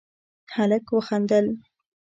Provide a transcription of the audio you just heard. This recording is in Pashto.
هلک وخندل: